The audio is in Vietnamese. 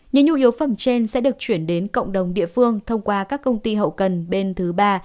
những nhu yếu phẩm trên sẽ được chuyển đến cộng đồng địa phương thông qua các công ty hậu cần bên thứ ba